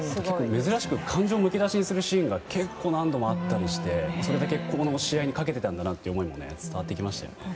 珍しく感情を出すシーンが何度もあってそれだけ、この試合にかけてたんだなという思いが伝わってきました。